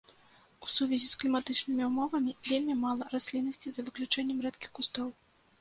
У сувязі з кліматычнымі ўмовамі вельмі мала расліннасці, за выключэннем рэдкіх кустоў.